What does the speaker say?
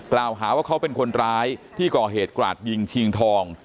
กล่าวหาว่าเขาเป็นคนร้ายที่ก่อเหตุกราดยิงชิงทอง